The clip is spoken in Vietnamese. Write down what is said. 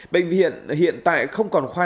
bệnh viện hiện tại không còn khoa